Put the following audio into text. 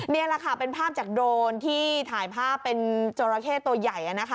นี่แหละค่ะเป็นภาพจากโดรนที่ถ่ายภาพเป็นจราเข้ตัวใหญ่